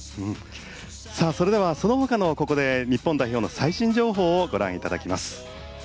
それでは、その他の日本代表の最新情報をご覧いただきます。